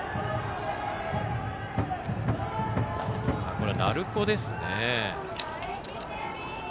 今のは鳴子ですね。